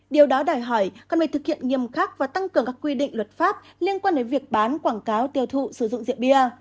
điều đó đòi hỏi cần phải thực hiện nghiêm khắc và tăng cường các quy định luật pháp liên quan đến việc bán quảng cáo tiêu thụ sử dụng rượu bia